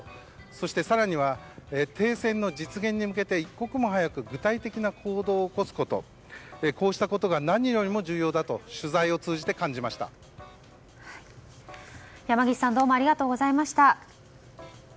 そして更には停戦の実現に向けて一刻も早く具体的な行動を起こすことこうしたことが何よりも重要だと山岸さんどうもありがとうございました。